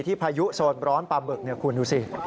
ที่พายุโสดร้อนปลาเบิกเนื้อคุณดูสิ